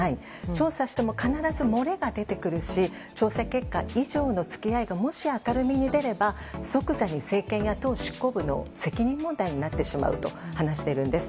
調査しても必ず漏れが出てくるし調査結果以上の付き合いがもし明るみになれば党執行部の責任問題になってしまうと話しているんです。